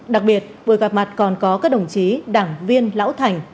đặc biệt buổi gặp mặt còn có các đồng chí đảng viên lão thành